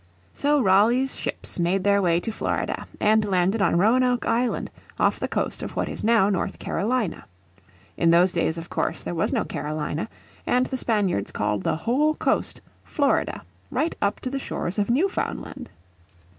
So Raleigh's ships made their way to Florida, and landed on Roanoke Island off the coast of what is now North Carolina. In those days of course there was no Carolina, and the Spaniards called the whole coast Florida right up to the shores of Newfoundland.